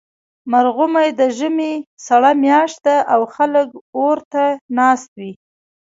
مرغومی د ژمي سړه میاشت ده، او خلک اور ته ناست وي.